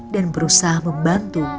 dan berusaha membantu